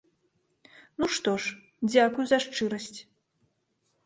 Ну што ж, дзякуй за шчырасць.